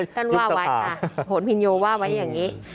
ท่านว่าไว้ค่ะโหนพินโยว่าไว้อย่างนี้